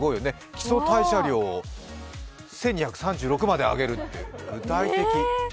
基礎代謝量を１２３６まで上げるって具体的。